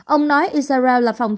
ông nói israel là một trong những nơi